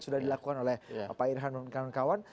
sudah dilakukan oleh pak irhan dan kawan kawan